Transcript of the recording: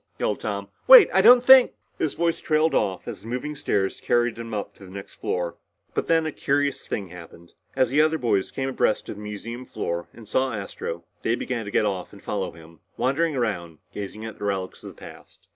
yelled Tom. "Wait! I don't think " His voice trailed off as the moving stair carried him up to the next floor. But then a curious thing happened. As other boys came abreast of the museum floor and saw Astro they began to get off and follow him, wandering around gazing at the relics of the past.